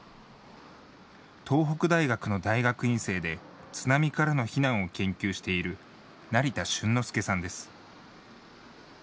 東北大学の大学院生で津波からの避難を研究している成田峻之輔さんです。